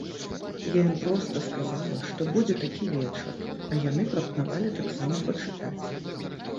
Я ім проста сказала, што будзе такі вечар, а яны прапанавалі таксама пачытаць.